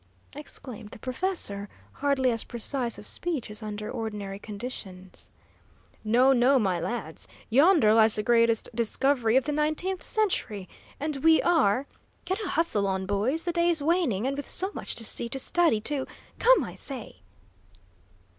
exclaimed the professor, hardly as precise of speech as under ordinary conditions. "No, no, my lads! Yonder lies the greatest discovery of the nineteenth century, and we are Get a hustle on, boys! The day is waning, and with so much to see, to study, to Come, I say!"